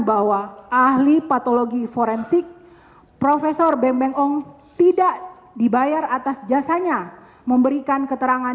bahwa ahli patologi forensik profesor beng beng ong tidak dibayar atas jasanya memberikan keterangan